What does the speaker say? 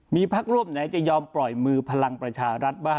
มีพักร่วมไหนจะยอมปล่อยมือพลังประชารัฐบ้าง